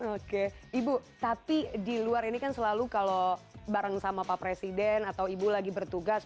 oke ibu tapi di luar ini kan selalu kalau bareng sama pak presiden atau ibu lagi bertugas